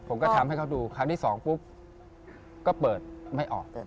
ผมก็ทำให้เขาดูครั้งที่สองปุ๊บก็เปิดไม่ออก